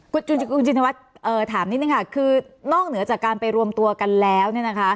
คุณจินวัฒน์ถามนิดนึงค่ะคือนอกเหนือจากการไปรวมตัวกันแล้วเนี่ยนะคะ